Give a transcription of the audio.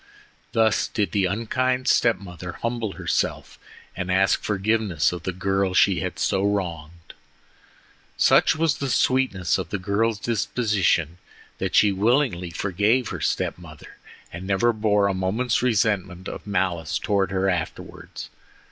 Thus did the unkind step mother humble herself and ask forgiveness of the girl she had so wronged. Such was the sweetness of the girl's disposition that she willingly forgave her step mother, and never bore a moment's resentment or malice towards her afterwards.